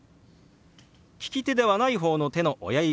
利き手ではない方の手の親指